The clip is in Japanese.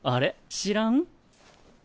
知らん？